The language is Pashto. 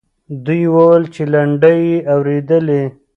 دوی وویل چې لنډۍ یې اورېدلې.